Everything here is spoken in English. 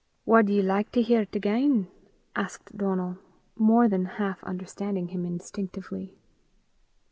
"Wad ye like to hear 't again?" asked Donal, more than half understanding him instinctively.